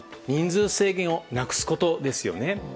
人数制限をなくすことですよね。